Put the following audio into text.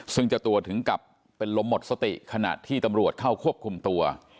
ซึ่งเจ้าตัวถึงกับเป็นลมหมดสติขณะที่ตำรวจเข้าควบคุมตัว